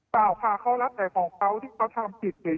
เปล่าค่ะเขารับแต่ของเขาที่เขาทำผิดเนี่ย